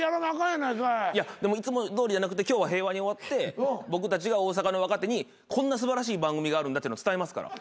いやいつもどおりじゃなくて今日は平和に終わって僕たちが大阪の若手にこんな素晴らしい番組があるんだってのを伝えますから。